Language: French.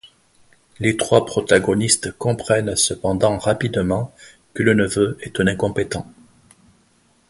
Les trois protagonistes comprennent cependant rapidement que le neveu est un incompétent.